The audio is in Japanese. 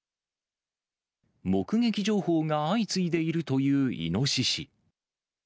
目撃情報が相次いでいるというイノシシ。